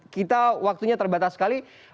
kita waktunya terbatas sekali